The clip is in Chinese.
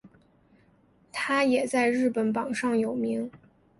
它也在日本榜上有名。